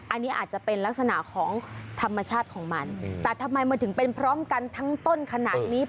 อันนี้อาจจะเป็นลักษณะของธรรมชาติของมันแต่ทำไมมันถึงเป็นพร้อมกันทั้งต้นขนาดนี้